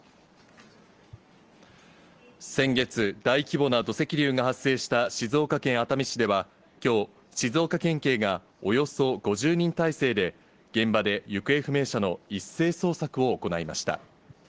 先月、大規模な土石流が発生した静岡県熱海市では、きょう、静岡県警がおよそ５０人態勢で、現場で行方不明者の一斉捜索を行